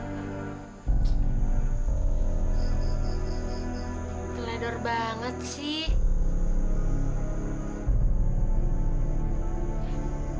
ngelador banget sih